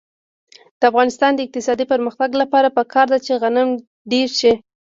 د افغانستان د اقتصادي پرمختګ لپاره پکار ده چې غنم ډېر شي.